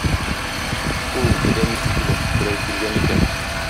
Фу, адәм исе килә, берәү килгән икән.